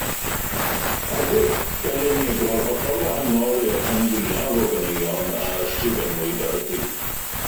Arddull delynegol hollol wahanol i'r rhan fwyaf o ganeuon a ysgrifennwyd ar y pryd.